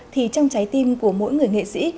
thì trong trái tim của mỗi người nghệ sĩ